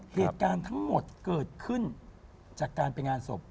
เหตุการณ์ทั้งหมดเกิดขึ้นจากการไปงานศพ